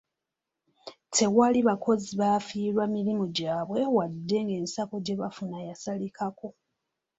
Tewali bakozi baafiirwa mirimu gyabwe wadde ng'ensako gye bafuna yasalikako.